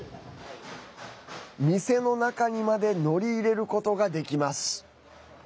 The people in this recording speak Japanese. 店の中にまで乗り入れることができます。